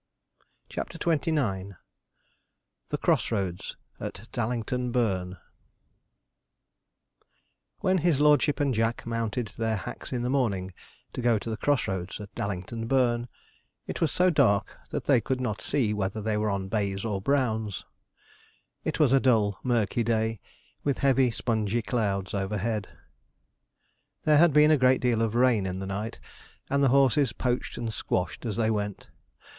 CHAPTER XXIX THE CROSS ROADS AT DALLINGTON BURN When his lordship and Jack mounted their hacks in the morning to go to the cross roads at Dallington Burn, it was so dark that they could not see whether they were on bays or browns. It was a dull, murky day, with heavy spongy clouds overhead. There had been a great deal of rain in the night, and the horses poached and squashed as they went.